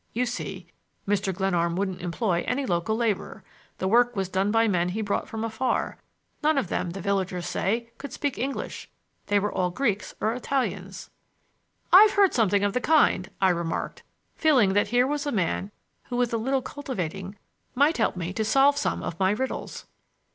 You see, Mr. Glenarm wouldn't employ any local labor. The work was done by men he brought from afar,—none of them, the villagers say, could speak English. They were all Greeks or Italians." "I have heard something of the kind," I remarked, feeling that here was a man who with a little cultivating might help me to solve some of my riddles.